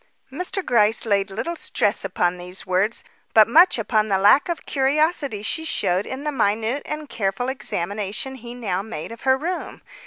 Mr. Gryce laid little stress upon these words, but much upon the lack of curiosity she showed in the minute and careful examination he now made of her room.